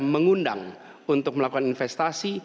mengundang untuk melakukan investasi